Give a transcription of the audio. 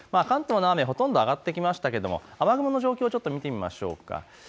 関東の雨、ほとんど上がってきましたけど雨雲の状況を見てみましょうか。